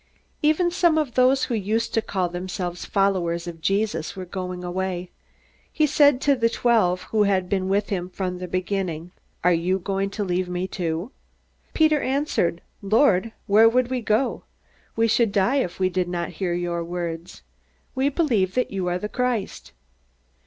Even some of those who used to call themselves followers of Jesus were going away. Jesus said to the twelve, who had been with him from the beginning: "Are you going to leave me too?" Peter answered: "Lord, where would we go? We should die if we did not hear your words. We believe that you are the Christ."